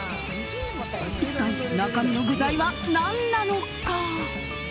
一体、中身の具材は何なのか。